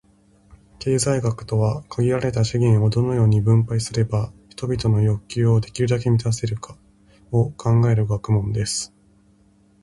経済学とは、「限られた資源を、どのように分配すれば人々の欲求をできるだけ満たせるか」を考える学問です。